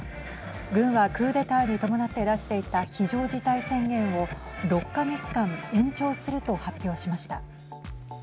軍はクーデターに伴って出していた非常事態宣言を６か月間延長すると発表しました。